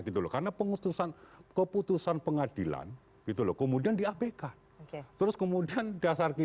jika dipercaya janganlah investigasi